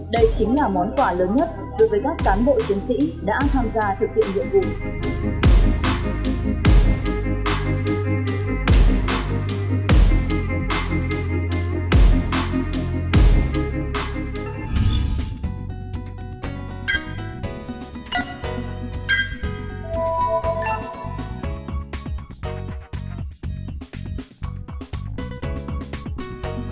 đây chính là món quả lớn nhất đối với các cán bộ chiến sĩ đã tham gia thực hiện nhiệm vụ